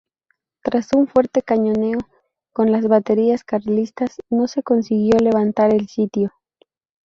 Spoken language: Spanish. Tras un fuerte cañoneo con las baterías carlistas, no se consiguió levantar el sitio.